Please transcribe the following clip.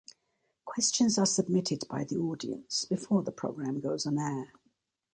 Questions are submitted by the audience before the programme goes on air.